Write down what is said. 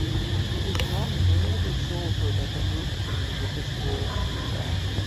It is not gold or silver that the earthlings of this world seek after.